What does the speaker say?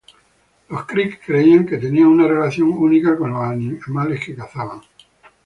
Los creek creían que tenían una relación única con los animales que cazaban.